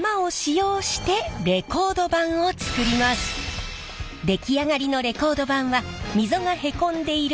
出来上がりのレコード盤は溝がへこんでいる谷というわけですね。